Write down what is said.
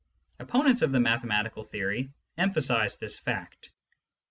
Opponents of the mathematical theory emphasise this fact.